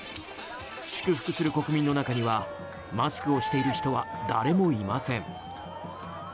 祝福する国民の中にはマスクをしている人は誰もいません。